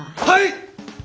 はい！